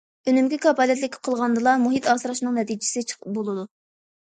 ئۈنۈمگە كاپالەتلىك قىلغاندىلا، مۇھىت ئاسراشنىڭ نەتىجىسى بولىدۇ.